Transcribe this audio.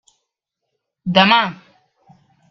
Demà!